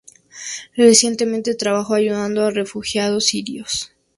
Recientemente, trabajó ayudando a refugiados sirios.